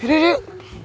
yuk yuk yuk